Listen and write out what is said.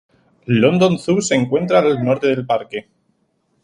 London Zoo se encuentra al norte del parque.